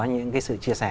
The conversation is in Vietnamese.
những cái sự chia sẻ